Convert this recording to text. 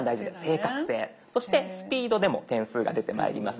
そしてスピードでも点数が出てまいります。